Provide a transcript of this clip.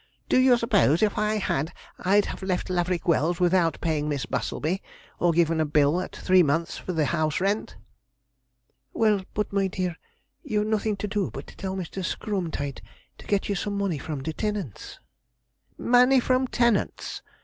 'Do you suppose, if I had, I'd have left Laverick Wells without paying Miss Bustlebey, or given a bill at three months for the house rent?' 'Well, but, my dear, you've nothing to do but tell Mr. Screwemtight to get you some money from the tenants.' 'Money from the tenants!'